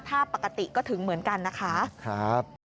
ถ้าปกติก็ถึงเหมือนกันนะคะ